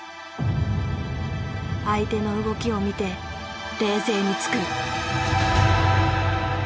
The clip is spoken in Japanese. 相手の動きを見て冷静に突く。